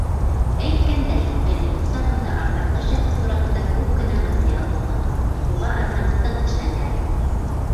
Әйткәндәй, белем усағында арҙаҡлы шәхес тураһында күп кенә материал тупланған, уға арнап стенд эшләнгән.